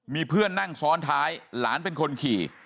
มีเพื่อนนั่งซ้อนท้ายหลานเป็นคนขี่